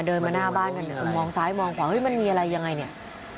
เดินมาหน้าบ้านกันมองซ้ายมองขวาเฮ้ยมันมีอะไรยังไงเนี้ย